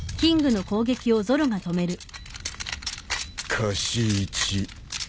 貸し１。